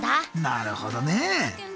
なるほどねえ。